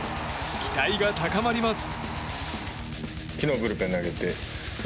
期待が高まります。